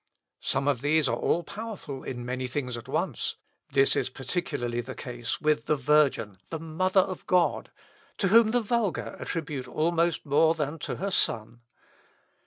Some of these are all powerful in many things at once. This is particularly the case with the Virgin, the mother of God, to whom the vulgar attribute almost more than to her Son.